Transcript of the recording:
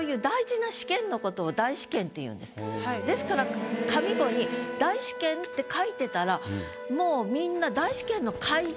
ですから上五に「大試験」って書いてたらもうみんな大試験の会場